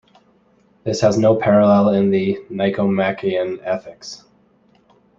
This has no parallel in the "Nicomachean Ethics".